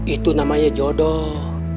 itu namanya jodoh